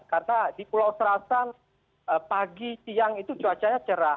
karena di pulau serasan pagi siang itu cuacanya cerah